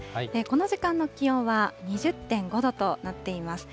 この時間の気温は２０．５度となっています。